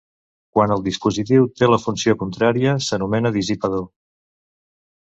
Quan el dispositiu té la funció contrària s'anomena dissipador.